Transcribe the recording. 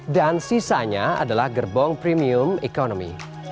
dan sisanya adalah gerbong premium economy